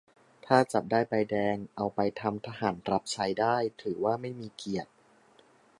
- ถ้าจับได้ใบแดง เอาไปทำทหารรับใช้ได้ ถือว่าไม่มีเกียรติ ?